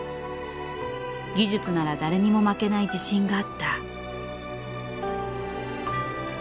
技術なら誰にも負けない自信があった。